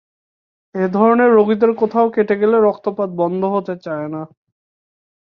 এ ধরনের রোগীদের কোথাও কেটে গেলে রক্তপাত বন্ধ হতে চায় না।